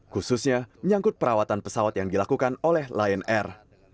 khususnya menyangkut perawatan pesawat yang dilakukan oleh lion air